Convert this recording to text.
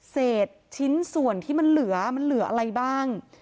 เศษชิ้นส่วนที่มันเหลือมันเหลืออะไรบ้าง